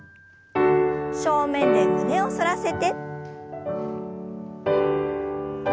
正面で胸を反らせて。